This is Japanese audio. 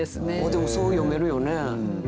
でもそう読めるよね。